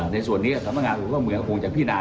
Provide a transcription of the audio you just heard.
ในส่วนนี้สำนักงานศูนย์ก็เหมือนคงจะพินา